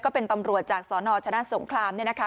ก็เป็นตำรวจจากสอนอชนะสงครามเนี่ยนะคะ